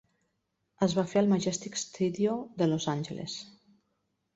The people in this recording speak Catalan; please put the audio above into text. Es va fer al Majestic Studio de Los Angeles.